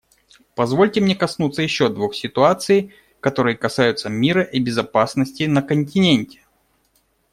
Позвольте мне коснуться еще двух ситуаций, которые касаются мира и безопасности на континенте.